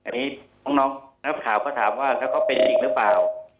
อันนี้น้องน้องนักข่าวก็ถามว่าแล้วก็เป็นจริงหรือเปล่า